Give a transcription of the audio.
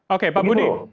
oke pak budi